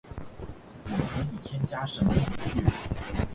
我可以添加什么语句？